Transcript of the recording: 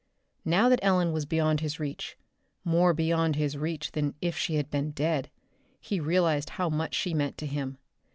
Now that Ellen was beyond his reach, more beyond his reach than if she had been dead, he realized how much she meant to him.